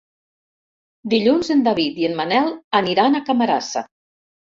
Dilluns en David i en Manel aniran a Camarasa.